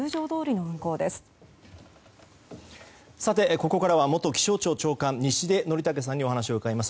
ここからは元気象庁長官西出則武さんにお話を伺います。